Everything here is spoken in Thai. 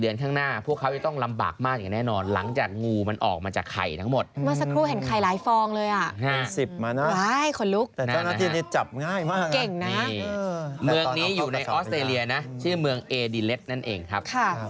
เมืองนี้อยู่ในออสเตลียนะชื่อเมืองเอดิเลสด์นั่นเองครับ